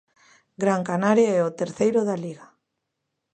Gran Canaria é o terceiro da Liga.